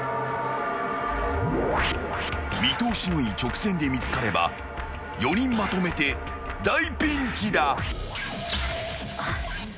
［見通しのいい直線で見つかれば４人まとめて大ピンチだ］